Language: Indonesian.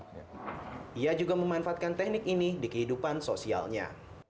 dia juga memanfaatkan teknik ini di kehidupan sosialnya